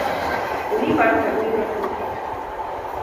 Ունի բարձրագույն կրթություն։